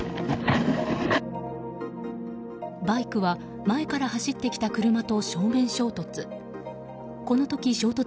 バイクは前から走ってきた車と正面衝突。